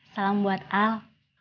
salam buat al